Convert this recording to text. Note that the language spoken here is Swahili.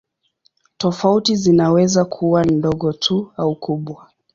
Tofauti zinaweza kuwa ndogo tu au kubwa.